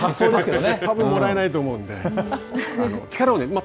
多分もらえないと思うんで。